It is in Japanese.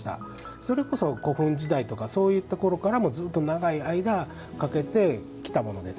それこそ古墳時代とかそういうところからもずっと長い間かけてきたものです。